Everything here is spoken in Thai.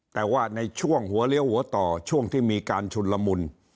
แต่ว่าในช่วงหัวเลี้ยวหัวต่อช่วงที่มีการชุนละมุน